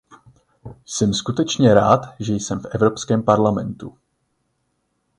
Jsem skutečně rád, že jsem v Evropském parlamentu.